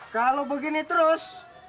kalau begini terus